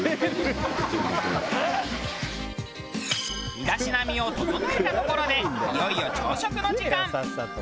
身だしなみを整えたところでいよいよ朝食の時間。